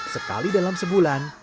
sekali dalam sebulan